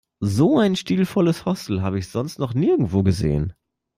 So ein stilvolles Hostel habe ich sonst noch nirgendwo gesehen.